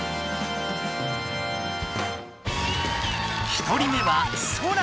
１人目はソラ。